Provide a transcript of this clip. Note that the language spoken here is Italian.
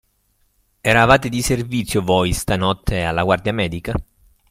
Eravate di servizio voi, stanotte, alla Guardia Medica?